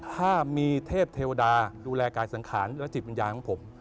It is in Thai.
ถ้ามีเทพเทวดาดูแลกายสังขารและจิตวิญญาณของผม